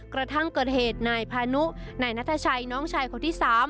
กระทั่งเกิดเหตุนายพานุนายนัทชัยน้องชายคนที่๓